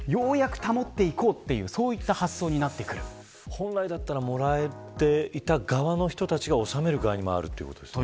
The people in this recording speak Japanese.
本来だったらもらえていた側の人たちが納める側に回るということですね。